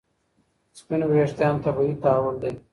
سپین وریښتان طبیعي تحول دی.